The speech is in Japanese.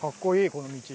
この道。